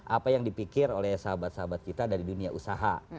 apa yang dipikir oleh sahabat sahabat kita dari dunia usaha